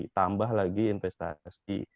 tambah lagi investasi